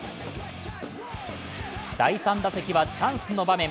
第３打席はチャンスの場面。